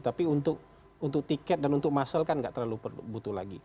tapi untuk tiket dan untuk muscle kan nggak terlalu butuh lagi